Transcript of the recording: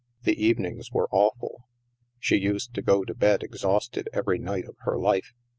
The evenings were awful. She used to go to bed exhausted every night of her life.